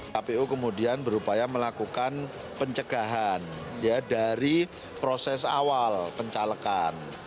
kpu kemudian berupaya melakukan pencegahan dari proses awal pencalekan